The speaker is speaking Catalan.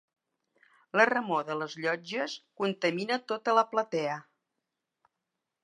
La remor de les llotges contamina tota la platea.